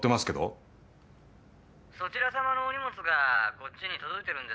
そちらさまのお荷物がこっちに届いてるんですが。